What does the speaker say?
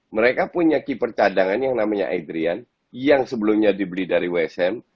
mereka punya keeper cadangan yang namanya adrian yang sebelumnya dibeli dari wsm